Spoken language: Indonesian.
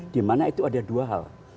di mana itu ada dua hal